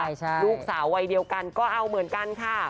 ใช่ลูกสาววัยเดียวกันก็เอาเหมือนกันค่ะ